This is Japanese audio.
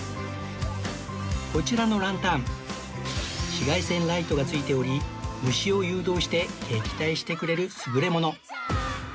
こちらのランタン紫外線ライトが付いており虫を誘導して撃退してくれる優れもの